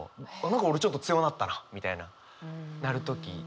何か俺ちょっと強うなったなみたいななる時。